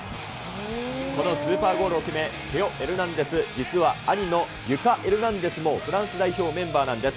このスーパーゴールを決めたテオ・エルナンデス、実は兄のリュカ・エルナンデスもフランス代表メンバーなんです。